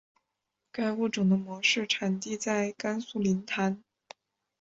该物种的模式产地在甘肃临潭。